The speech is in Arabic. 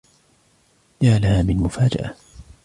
يا لها من مفاجأة!